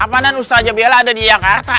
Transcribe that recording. apaanan ustaz jabela ada di jakarta